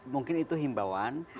mungkin itu himbauan